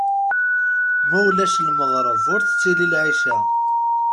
Ma ulac lmeɣreb ur tettili lɛica.